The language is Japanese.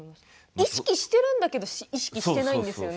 意識しているんだけれど意識していないんですよね。